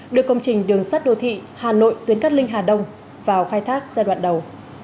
đưa công trình đường sắt đô thị hà nội tuyến cát linh hà đông vào khai thác giai đoạn đầu